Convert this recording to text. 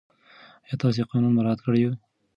آیا تاسې قانون مراعات کوئ؟